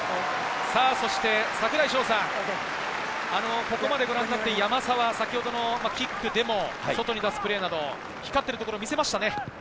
そして櫻井翔さん、ここまでご覧になって、山沢、先ほどのキックでも外に出すプレーなど、光ってるところを見せましたね。